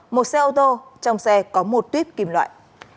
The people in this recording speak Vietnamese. một xe ô tô trong xe có một tuyết kim loại